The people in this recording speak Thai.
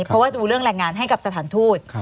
เพราะว่าดูเรื่องแรงงานให้กับสถานทูต